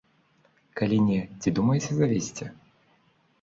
Калі не, ці думаеце завесці?